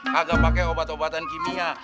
kagak pakai obat obatan kimia